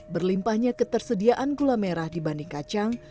berlimpahnya ketersediaan gula merah dibanding kacang